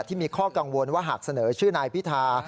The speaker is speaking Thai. ที่มีข้อกังวลว่าหากเสนอชื่อนายพิธา